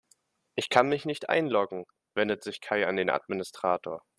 "Ich kann mich nicht einloggen", wendet sich Kai an den Administrator.